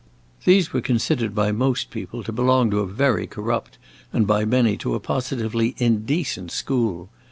These were considered by most people to belong to a very corrupt, and by many to a positively indecent school.